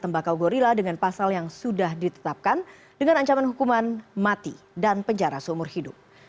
tembakau gorilla sudah ditetapkan dengan ancaman hukuman mati dan penjara seumur hidup